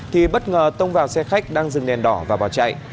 thì bất ngờ tông vào xe khách đang dừng nền đỏ và vào chạy